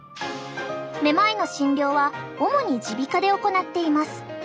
めまいの診療は主に耳鼻科で行っています。